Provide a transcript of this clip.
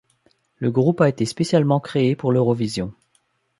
Le groupe a été spécialement créé pour l'Eurovision.